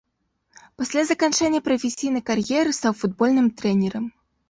Пасля заканчэння прафесійнай кар'еры стаў футбольным трэнерам.